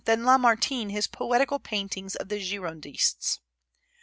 and Lamartine his poetical paintings of the Girondists.